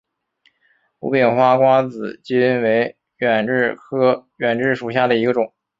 无柄花瓜子金为远志科远志属下的一个种。